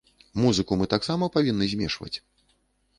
Музыку мы таксама павінны змешваць.